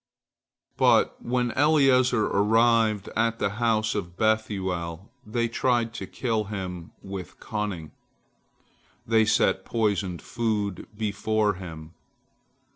" But when Eliezer arrived at the house of Bethuel, they tried to kill him with cunning. They set poisoned food before him.